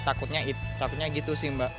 takutnya gitu sih mbak